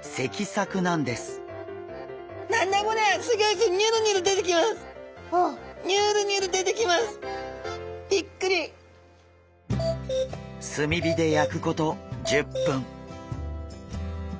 炭火で焼くこと１０分。